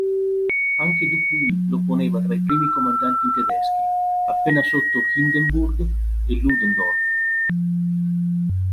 Anche Dupuy lo poneva tra i primi comandanti tedeschi, appena sotto Hindenburg e Ludendorff.